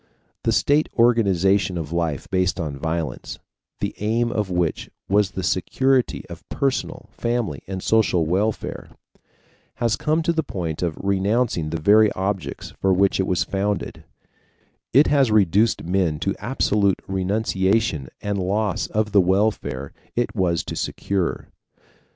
The state organization of life based on violence, the aim of which was the security of personal, family, and social welfare, has come to the point of renouncing the very objects for which it was founded it has reduced men to absolute renunciation and loss of the welfare it was to secure.